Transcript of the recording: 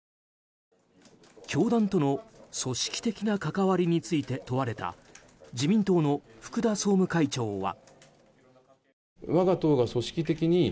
教団との組織的な関わりについて問われた自民党の福田総務会長は。